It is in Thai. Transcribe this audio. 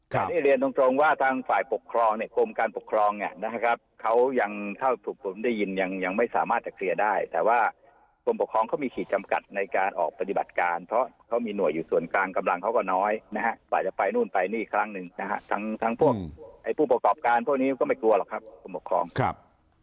แต่เรียนตรงว่าทางฐักษ์กลุ่มการบกครองเนี่ยนะครับ